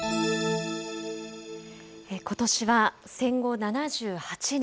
ことしは戦後７８年。